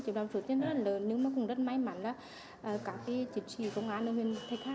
chiếm đoạt số tiền rất là lớn nhưng cũng rất may mắn là các triệu trì công an huyện thạch hà